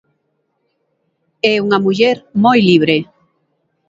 É unha muller moi libre.